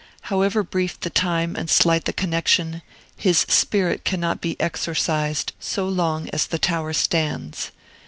However brief the time and slight the connection, his spirit cannot be exorcised so long as the tower stands.